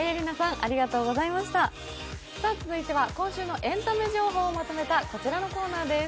続いては今週のエンタメ情報をまとめたこちらのコーナーです。